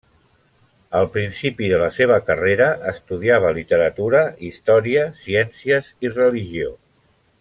Al principi de la seva carrera estudiava literatura, història, ciències i religió.